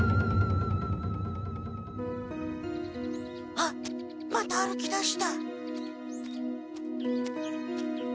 あっまた歩きだした。